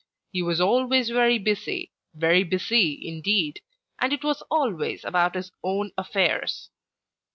He was always very busy, very busy, indeed, and it was always about his own affairs.